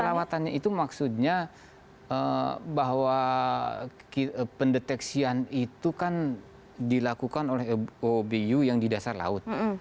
perawatannya itu maksudnya bahwa pendeteksian itu kan dilakukan oleh obu yang di dasar laut